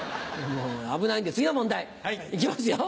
危ないんで次の問題行きますよ。